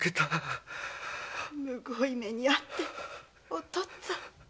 酷い目に遭ってお父っつぁん。